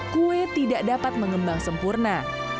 kue tidak dapat mengembang sempurna